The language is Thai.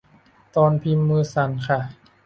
ตอนพิมพ์มือสั่นค่ะ